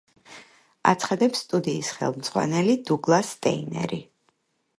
აცხადებს სტუდიის ხელმძღვანელი დუგლას სტეინერი.